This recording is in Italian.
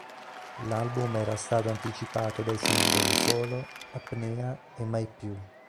L'album era stato anticipato dai singoli "Solo", "Apnea" e "Mai più.